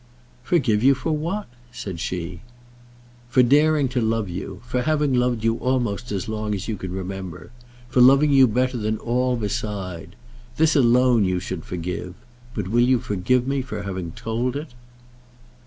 "Forgive you for what?" said she. "For daring to love you; for having loved you almost as long as you can remember; for loving you better than all beside. This alone you should forgive; but will you forgive me for having told it?"